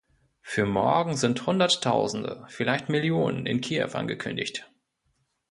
Für morgen sind Hunderttausende, vielleicht Millionen, in Kiew angekündigt.